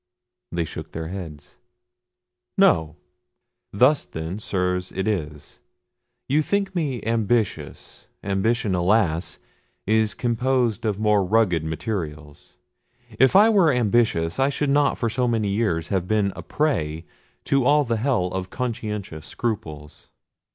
They shook their heads. "No! Thus, then, Sirs, it is. You think me ambitious: ambition, alas! is composed of more rugged materials. If I were ambitious, I should not for so many years have been a prey to all the hell of conscientious scruples.